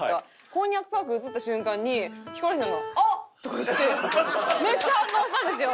こんにゃくパーク映った瞬間にヒコロヒーさんが「あっ！」とか言ってめっちゃ反応したんですよ！